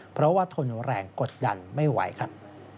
เพราะว่าทนแรงกดดันไม่ไหวครับ